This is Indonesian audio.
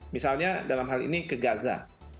misalnya dalam hal ini ke gaza